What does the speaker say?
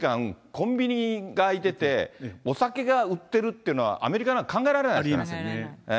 コンビニが開いてて、お酒が売ってるというのは、アメリカでは考えられないですかありえませんね。